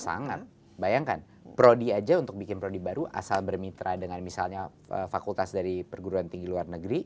sangat bayangkan prodi aja untuk bikin prodi baru asal bermitra dengan misalnya fakultas dari perguruan tinggi luar negeri